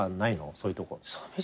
そういうとこ。